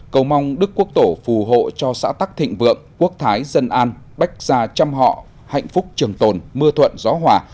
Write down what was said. cầu mong đức quốc tổ phù hộ cho xã tắc thịnh vượng quốc thái dân an bách gia trăm họ hạnh phúc trường tồn mưa thuận gió hòa